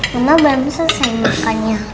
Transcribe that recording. mama belum selesai makan ya